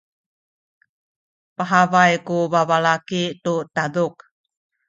pahabay ku babalaki tu taduk.